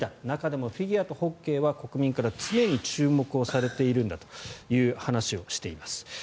中でもフィギュアとホッケーは国民から常に注目をされているんだという話をしています。